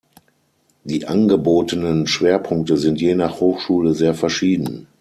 Die angebotenen Schwerpunkte sind je nach Hochschule sehr verschieden.